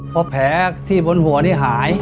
พอแผลที่บนหัวนี้หาย